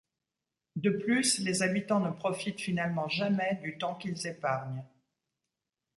De plus, les habitants ne profitent finalement jamais du temps qu'ils épargnent.